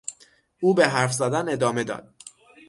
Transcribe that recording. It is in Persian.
او به حرف زدن ادامه داد.